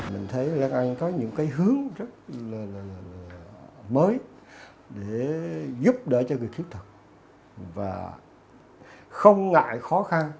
mình thấy lan anh có những cái hướng rất là mới để giúp đỡ cho người thiếu thật và không ngại khó